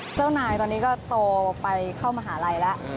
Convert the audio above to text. เจ้านายตอนนี้ก็โตไปเข้ามหาลัยแล้ว